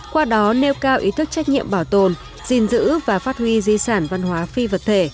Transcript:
qua đó nêu cao ý thức trách nhiệm bảo tồn gìn giữ và phát huy di sản văn hóa phi vật thể